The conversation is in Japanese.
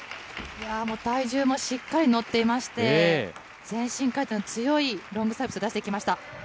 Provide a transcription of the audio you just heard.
体重もしっかり乗っていまして、前進回転の強いロングサービスを出していきました。